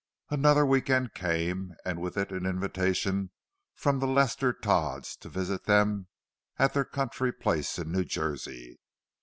Another week end came, and with it an invitation from the Lester Todds to visit them at their country place in New Jersey.